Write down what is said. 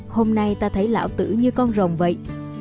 hôm nay ta thấy lão tử như con rồng vậy